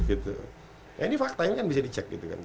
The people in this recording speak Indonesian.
ini fakta ini kan bisa dicek gitu kan